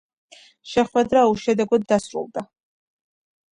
შეხვედრა უშედეგოდ დასრულდა.